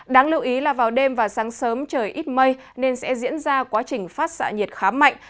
đáng lưu ý là vào đêm và sáng sớm trời ít mây nên sẽ diễn ra quá trình phát xạ nhiệt khá mạnh